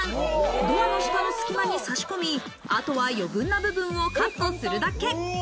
ドアの下の隙間に差し込み、あとは余分な部分をカットするだけ。